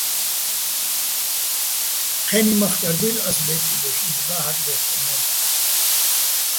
ჴე́ნი მახკარ დი́ლ ას ბე́კი ბოშ, ის მა́ ჰ̦აკდე́ხკინო̆ ჲა ბჵა́.